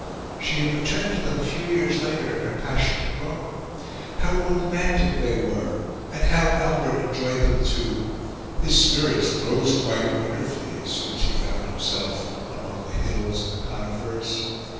She had returned to them a few years later, and her passion had grown. How romantic they were! And how Albert enjoyed them too! His spirits rose quite wonderfully as soon as he found himself among the hills and the conifers.